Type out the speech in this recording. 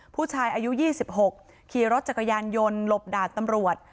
ผู้ชายอายุ๒๖ขี่รถจักรยานยนต์หลบดาบตำรวจ